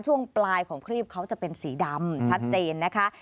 ช่วงปลายของครีบเขาจะเป็นสีดำชัดเจนนะคะ